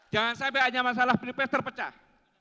jangan sampai hanya masalah penipes terpecah